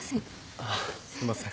あっすいません。